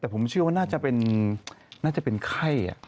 แต่ผมเชื่อว่าน่าจะเป็นน่าจะเป็นไข้